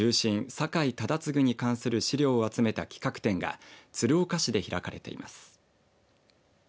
酒井忠次に関する資料を集めた企画展が鶴岡市で開かれています。